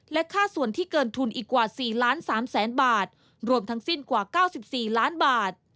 และค่าส่วนที่เกินทุนอีกกว่า๔ล้าน๓แสนบาทรวมทั้งสิ้นกว่า๙๔ล้านบาท